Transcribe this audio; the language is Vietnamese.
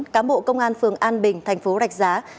cám bộ công an phường an bình tp rạch giá